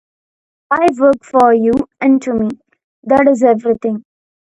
I work for you. And to me, that is everything.